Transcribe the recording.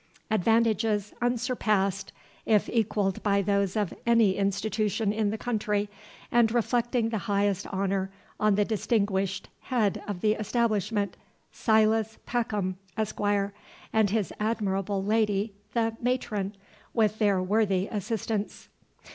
".... advantages unsurpassed, if equalled by those of any Institution in the country, and reflecting the highest honor on the distinguished Head of the Establishment, SILAS PECKHAM, Esquire, and his admirable Lady, the MATRON, with their worthy assistants...."